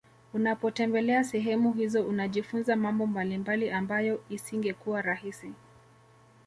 Unapotembelea sehemu hizo unajifunza mambo mbalimbali ambayo isingekuwa rahisi